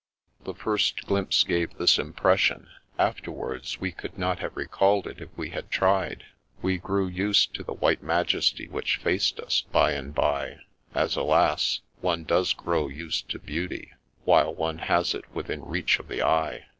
The first glimpse gave this impression; after wards we could not have recalled it if we had tried. We grew used to the white Majesty which faced us, by and bye, as alas! one does grow used to beauty while one has it within reach of the eye.